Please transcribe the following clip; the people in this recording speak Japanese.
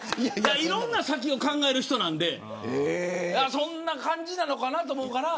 いろんな先を考える人なのでそんな感じなのかなと思うから。